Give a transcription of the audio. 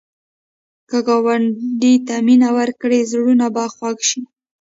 که ګاونډي ته مینه ورکړې، زړونه به خوږ شي